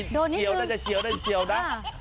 โดนนิดนึงโอ้ยเฉียวนะจะเฉียวนะ